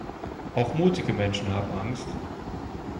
Auch mutige Menschen haben Angst.